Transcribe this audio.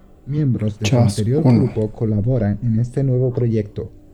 Miembros de su anterior grupo colaboran en este nuevo proyecto.